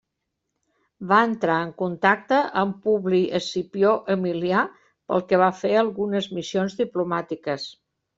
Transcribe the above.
Va entrar en contacte amb Publi Escipió Emilià pel que va fer algunes missions diplomàtiques.